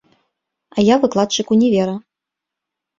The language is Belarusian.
А я выкладчык універа.